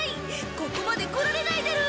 ここまで来られないだろ！